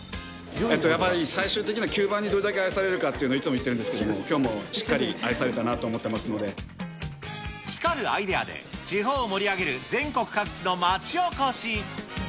やっぱり最終的には吸盤にどれだけ愛されるか、いつも言ってるんですけれども、きょうもしっ光るアイデアで地方を盛り上げる全国各地の町おこし。